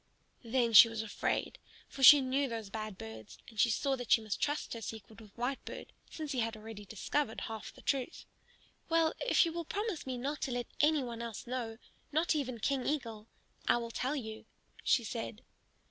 Then she was afraid, for she knew those bad birds; and she saw that she must trust her secret with Whitebird, since he had already discovered half the truth. "Well, if you will promise me not to let any one else know, not even King Eagle, I will tell you," she said.